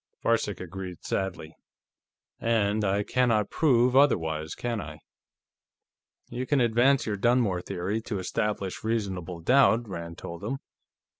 Varcek agreed sadly. "And I cannot prove otherwise, can I?" "You can advance your Dunmore theory to establish reasonable doubt," Rand told him.